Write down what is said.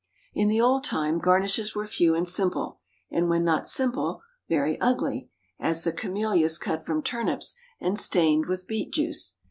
In the old time garnishes were few and simple, and when not simple, very ugly, as the camellias cut from turnips and stained with beet juice.